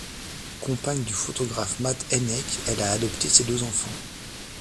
Compagne du photographe Mat Hennek, elle a adopté ses deux enfants.